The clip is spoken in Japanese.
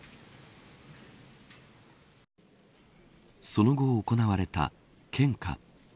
その後、行われた献花。